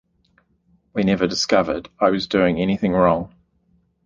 We never discovered I was doing anything wrong.